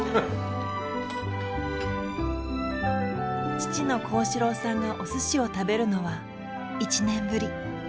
父の幸四郎さんがおすしを食べるのは１年ぶり。